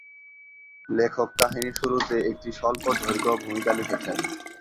লেখক কাহিনীর শুরুতে একটি স্বল্পদৈর্ঘ্য ভূমিকা লিখেছেন।